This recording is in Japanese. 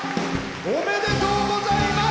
おめでとうございます！